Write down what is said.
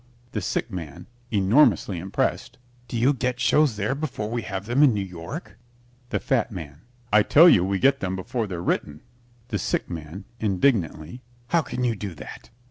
THE SICK MAN (enormously impressed) Do you get shows there before we have them in New York? THE FAT MAN I tell you we get them before they're written. THE SICK MAN (indignantly) How can you do that?